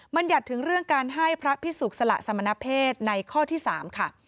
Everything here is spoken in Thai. บรรยัติถึงเรื่องการให้พระพิสุกสละสมณเพศในข้อที่๓ค่ะ